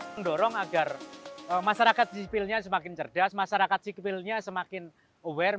mendorong agar masyarakat sipilnya semakin cerdas masyarakat sipilnya semakin aware